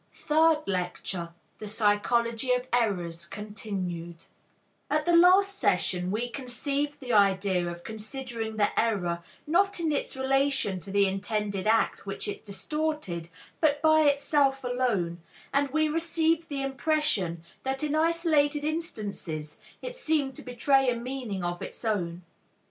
THIRD LECTURE THE PSYCHOLOGY OF ERRORS (Continued) At the last session we conceived the idea of considering the error, not in its relation to the intended act which it distorted, but by itself alone, and we received the impression that in isolated instances it seems to betray a meaning of its own.